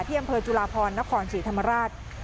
ที่อำเภอจุฬาพรนครฉีธรรมราช